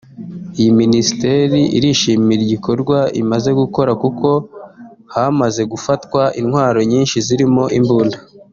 Iyi Minisiteri irishimira igikorwa imaze gukora kuko hamaze gufatwa intwaro nyinshi zirimo imbunda